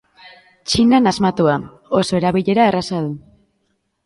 Txinan asmatua, oso erabilera erraza du.